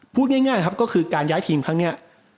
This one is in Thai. พูดง่ายครับก็คือการย้ายทีมครั้งนี้